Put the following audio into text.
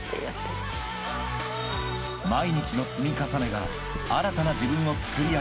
［毎日の積み重ねが新たな自分を作り上げる］